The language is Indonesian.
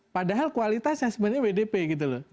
padahal kualitasnya sebenarnya wdp gitu loh